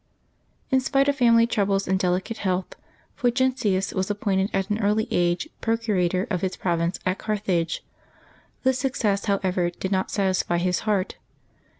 ^T^JT spite of family troubles and delicate health, Fulgen Jk tins was appointed at an early age procurator of his province at Carthage. This success, however, did not satisfy his heart.